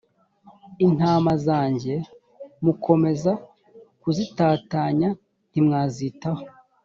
intama zanjye mukomeza kuzitatanya ntimwazitaho